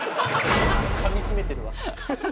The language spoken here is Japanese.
かみしめてるわ。